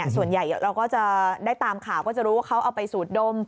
ส่วนใหญ่เราก็จะได้ตามข่าวก็จะรู้ว่าเขาเอาไปสูดดม